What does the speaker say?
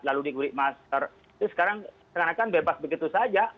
lalu dikulik masker itu sekarang sekarang kan bebas begitu saja